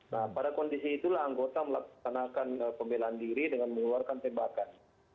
nah pada kondisi itulah anggota melaksanakan pembelaan diri dengan mengeluarkan tembakan